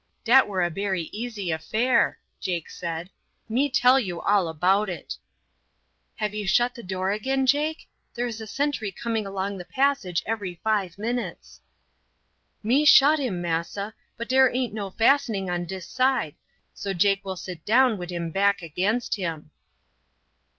"Dat were a bery easy affair," Jake said. "Me tell you all about it." "Have you shut the door again, Jake? There is a sentry coming along the passage every five minutes." "Me shut him, massa, but dere aint no fastening on dis side, so Jake will sit down wid him back against him."